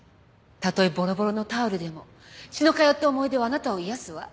たとえボロボロのタオルでも血の通った思い出はあなたを癒やすわ。